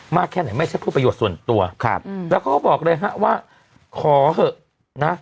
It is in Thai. แค่ไหนไม่ใช่เพื่อประโยชน์ส่วนตัวครับแล้วเขาก็บอกเลยฮะว่าขอเถอะนะ